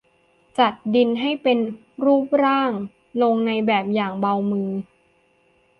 จัดดินให้เป็นรูปร่างลงในแบบอย่างเบามือ